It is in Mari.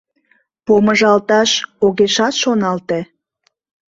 Помыжалташ огешат шоналте.